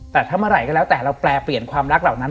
แต่ถ้าเมื่อไหร่ก็แล้วแต่เราแปลเปลี่ยนความรักเหล่านั้น